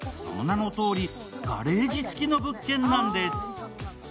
その名のとおり、ガレージ付きの物件なんです。